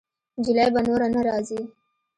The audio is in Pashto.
جلۍ به نوره نه راځي.